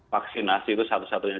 vaksinasi itu satu satunya